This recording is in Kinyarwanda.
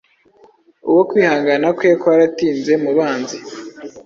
Uwo kwihangana kwe kwaratinze mubanzi